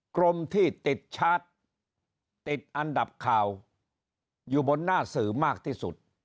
กรมที่ติดชาร์จติดอันดับข่าวอยู่บนหน้าสื่อมากที่สุด